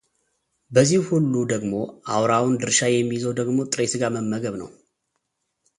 በዚህ ሁሉ ደግሞ አውራውን ድርሻ የሚይዘው ደግሞ ጥሬ ሥጋ መመገብ ነው።